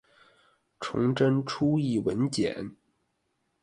崇祯初谥文简。